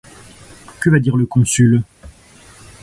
Que va dire le Consul ?